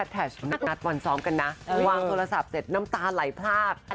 นัดนัดวันซ้อมกันนะวางโทรศัพท์เสร็จน้ำตาไหลพลาก